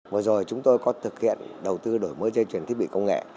vừa rồi chúng tôi có thực hiện đầu tư đổi mới trên chuyển thiết bị công nghệ